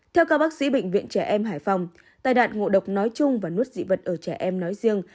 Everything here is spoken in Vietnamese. theo các bác sĩ bệnh viện trẻ em hải phòng tai nạn ngộ độc nói chung và nuốt dị vật ở trẻ em nói riêng